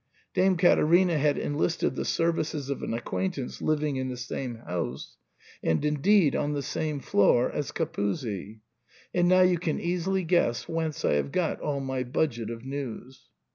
Dame Caterina had enlisted the services of an acquaint ance living in the same house, and indeed on the same floor as Capuzzi, — and now you can easily guess whence I have got all my budget of news."